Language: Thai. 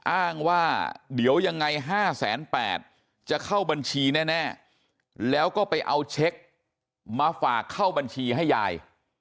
อ้างว่าเดี๋ยวยังไง๕๘๐๐จะเข้าบัญชีแน่แล้วก็ไปเอาเช็คมาฝากเข้าบัญชีให้ยาย